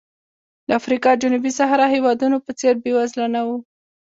د افریقا جنوبي صحرا هېوادونو په څېر بېوزله نه و.